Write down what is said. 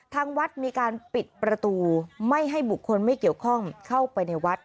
ทางวัดมีการปิดประตูไม่ให้บุคคลไม่เกี่ยวข้องเข้าไปในวัด